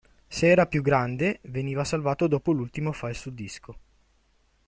Se era più grande, veniva salvato dopo l'ultimo file su disco.